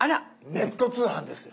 ネット通販ですよ。